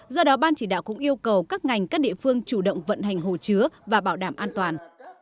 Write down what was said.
do đó ban chỉ đạo cũng yêu cầu các ngành các địa phương chủ động vận hành hồ chứa và bảo đảm an toàn